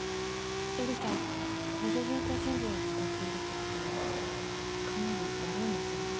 絵理さん補助人工心臓を使っているってことはかなり悪いんですよね？